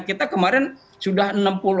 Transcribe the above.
kita kemarin sudah berjaya